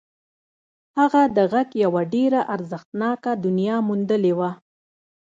هغه د غږ یوه ډېره ارزښتناکه دنیا موندلې وه